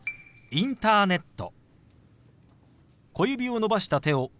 「インターネット」。